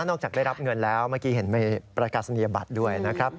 นอกจากได้รับเงินแล้วเมื่อกี้เห็นมีประกาศนียบัตรด้วยนะครับ